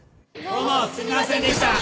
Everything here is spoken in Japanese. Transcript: どうもすみませんでした！